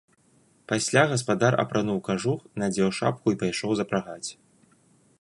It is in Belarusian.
Пасля гаспадар апрануў кажух, надзеў шапку і пайшоў запрагаць.